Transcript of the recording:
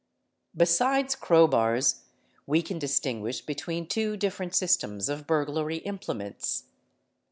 _ Besides crowbars, we can distinguish between two different systems c burglary implements.